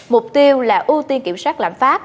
mục tiêu là ưu tiên kiểm soát lãm pháp